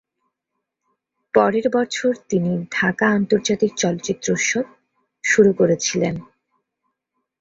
পরের বছর তিনি ঢাকা আন্তর্জাতিক চলচ্চিত্র উৎসব শুরু করেছিলেন।